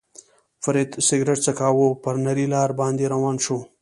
فرید سګرېټ څکاوه، پر نرۍ لار باندې روان شو.